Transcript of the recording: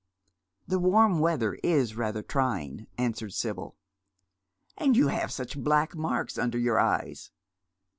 " The warm weather is rather trying," answers Sibyl. " And you have such black marks under your eyes."